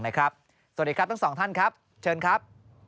สวัสดีครับทั้งสองท่านครับเชิญครับ